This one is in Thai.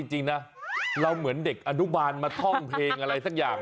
จริงนะเราเหมือนเด็กอนุบาลมาท่องเพลงอะไรสักอย่าง